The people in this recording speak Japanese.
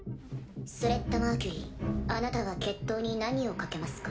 スレッタ・マーキュリーあなたは決闘に何を賭けますか？